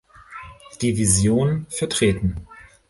Division vertreten.